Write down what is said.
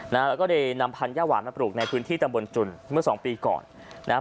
นะฮะแล้วก็ได้นำพันธุ์หญ้าหวานมาปลูกในพื้นที่ตรรมบนจุนเมื่อสองปีก่อนนะครับ